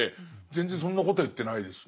全然そんなことは言ってないですね。